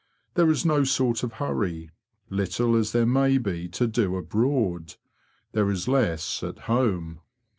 There is no sort of hurry; little as there may be to do abroad, there is less at home.